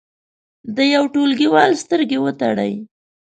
د یو ټولګیوال سترګې وتړئ.